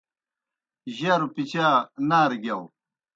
جروْ پِچَا نارہ گِیاؤ۔